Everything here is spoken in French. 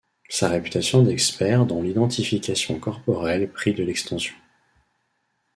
Sa réputation d’expert dans l’identification corporelle prit de l’extension.